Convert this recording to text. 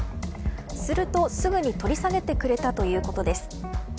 すると、すぐに取り下げてくれたということです。